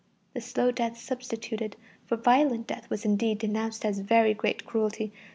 This slow death substituted for violent death was, indeed, denounced as very great cruelty.